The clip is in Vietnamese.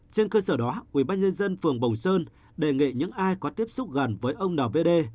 trên cơ sở đó ubnd phường bồng sơn đề nghị những ai có tiếp xúc gần với ông n v